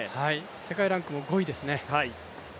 世界ランクも５位ですね。